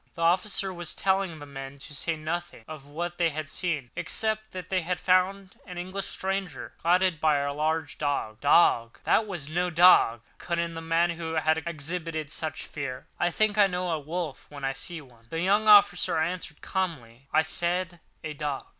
The officer was telling the men to say nothing of what they had seen, except that they found an English stranger, guarded by a large dog. "Dog! that was no dog," cut in the man who had exhibited such fear. "I think I know a wolf when I see one." The young officer answered calmly: "I said a dog."